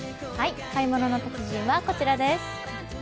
「買い物の達人」はこちらです。